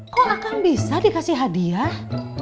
kok akan bisa dikasih hadiah